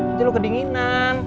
nanti lo kedinginan